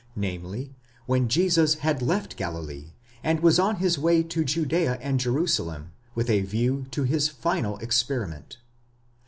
namely, when Jesus had left Galilee, and was on his way to Judea and Jerusalem, with a view to his final experiment.!